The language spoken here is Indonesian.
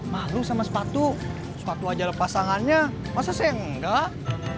malu sama sepatu sepatu aja pasangannya masa saya enggak